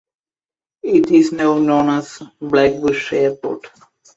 It is now known as Blackbushe Airport.